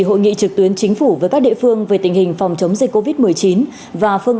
hội nghị trực tuyến chính phủ với các địa phương về tình hình phòng chống dịch covid một mươi chín và phương